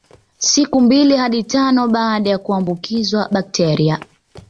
Siku mbili hadi tano baada ya kuambukizwa bakteria